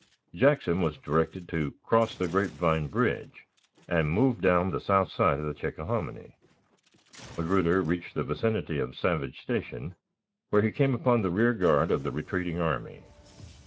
Jackson was directed to cross the "Grapevine" Bridge, and move down the south side of the Chickahominy. Magruder reached the vicinity of Savage Station, where he came upon the rear guard of the retreating army.